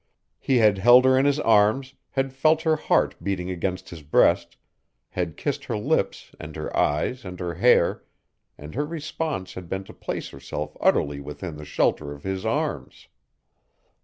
He had held her in his arms, had felt her heart beating against his breast, had kissed her lips and her eyes and her hair, and her response had been to place herself utterly within the shelter of his arms.